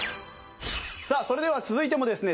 さあそれでは続いてもですね